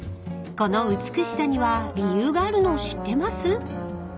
［この美しさには理由があるのを知ってます？］